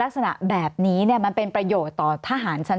สวัสดีครับทุกคน